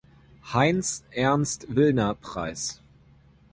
Heyn’s Ernst-Willner-Preis.